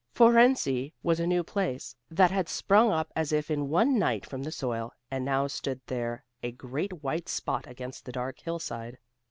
Fohrensee was a new place, that had sprung up as if in one night from the soil, and now stood there a great white spot against the dark hillside.